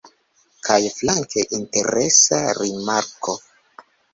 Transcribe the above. Kaj flanke interesa rimarko